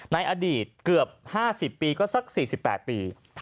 ในอดีตเกือบ๕๐ปีก็สัก๔๘ปี